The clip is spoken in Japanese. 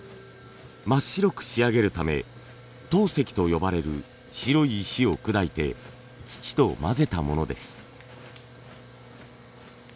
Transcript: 真っ白く仕上げるため陶石と呼ばれる白い石を砕いて土と混ぜたものです。